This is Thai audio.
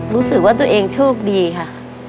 รู้สึกว่าตัวเองโชคดีค่ะ